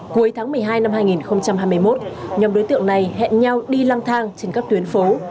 cuối tháng một mươi hai năm hai nghìn hai mươi một nhóm đối tượng này hẹn nhau đi lăng thang trên các tuyến phố